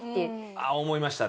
あっ思いましたね。